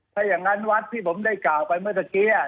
ถ้าอย่างนั้นวัดที่ผมได้กล่าวไปเมื่อตะกี้